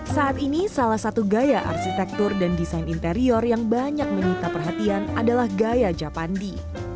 saat ini salah satu gaya arsitektur dan desain interior yang banyak menyita perhatian adalah gaya japandi